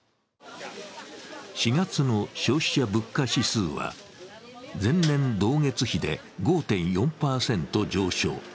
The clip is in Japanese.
４月の消費者物価指数は前年同月比で５．４％上昇。